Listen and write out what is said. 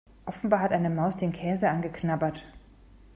Offenbar hat eine Maus den Käse angeknabbert.